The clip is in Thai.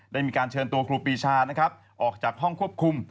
ได้มีการเชิญตัวครูปีชานะครับออกจากห้องควบคุม